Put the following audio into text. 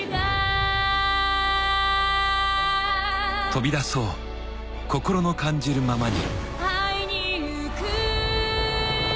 ［飛び出そう心の感じるままに］